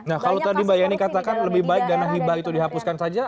nah kalau tadi mbak yeni katakan lebih baik dana hibah itu dihapuskan saja